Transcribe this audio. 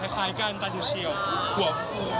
คล้ายกันกาถูเชียวหัวฟู